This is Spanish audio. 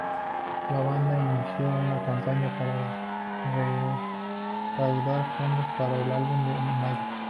La banda inició una campaña para recaudar fondos para el álbum en mayo.